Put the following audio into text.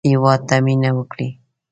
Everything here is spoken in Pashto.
هېواد ته مېنه وکړئ